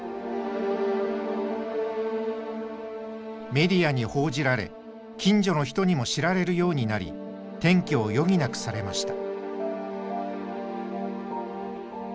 メディアに報じられ近所の人にも知られるようになり転居を余儀なくされました。